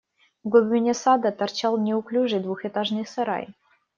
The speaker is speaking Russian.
В глубине сада торчал неуклюжий двухэтажный сарай.